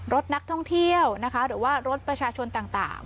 รถนักท่องเที่ยวนะคะหรือว่ารถประชาชนต่าง